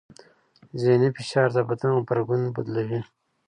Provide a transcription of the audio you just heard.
ذهني فشار د بدن غبرګون بدلوي.